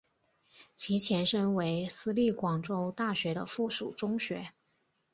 其前身为私立广州大学的附属中学。